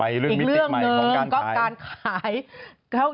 อีกเรื่องหนึ่งก็การขาย